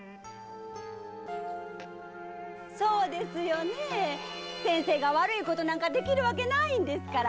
そうですね先生が悪いことなんかできるわけないんですから。